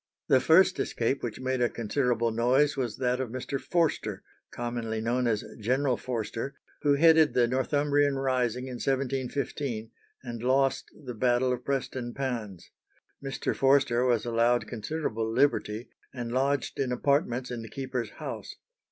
The first escape which made a considerable noise was that of Mr. Forster, commonly known as General Forster, who headed the Northumbrian rising in 1715, and lost the battle of Preston Pans. Mr. Forster was allowed considerable liberty, and lodged in apartments in the keeper's house.